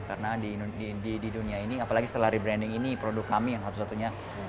karena di dunia ini apalagi setelah rebranding ini produk kami yang satu satunya